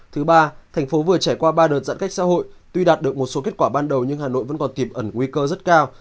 thứ ba thành phố vừa trải qua ba đợt giãn cách xã hội tuy đạt được một số kết quả ban đầu nhưng hà nội vẫn còn tiềm ẩn nguy cơ rất cao